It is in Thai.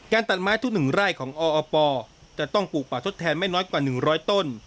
ตัดไม้ทุก๑ไร่ของออปจะต้องปลูกป่าทดแทนไม่น้อยกว่า๑๐๐ต้น